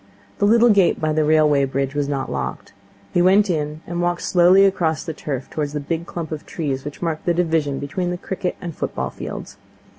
The little gate by the railway bridge was not locked. He went in, and walked slowly across the turf towards the big clump of trees which marked the division between the cricket and football fields.